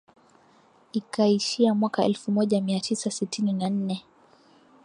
ikaishia mwaka elfu moja mia tisa sitini na nne